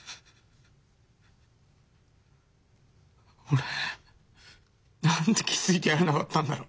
俺何で気づいてやれなかったんだろ。